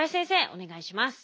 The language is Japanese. お願いします。